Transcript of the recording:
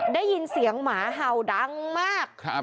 ได้ยินเสียงหมาเห่าดังมาก